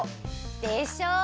でしょ？